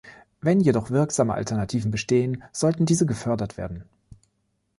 Wenn jedoch wirksame Alternativen bestehen, sollten diese gefördert werden.